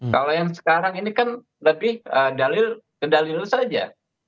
kalau yang sekarang ini kan lebih dalil ke dalil saja